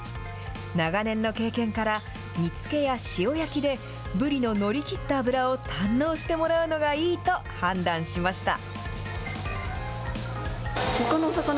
長年の経験から、煮つけや塩焼きで、ブリの乗りきった脂を堪能してもらうのがいいと判断しました。